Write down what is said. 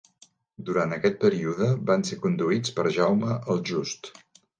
Durant aquest període, van ser conduïts per Jaume el Just.